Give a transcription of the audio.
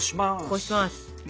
こします。